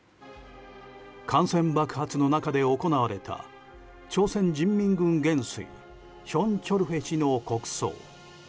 感染爆発の中で行われた朝鮮人民軍元帥ヒョン・チョルヘ氏の国葬。